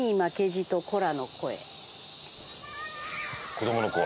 子供の声。